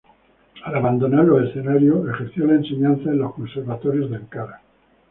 Al abandonar los escenarios ejerció la enseñanza en los Conservatorios de Ankara.